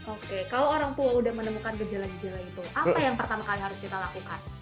oke kalau orang tua udah menemukan gejala gejala itu apa yang pertama kali harus kita lakukan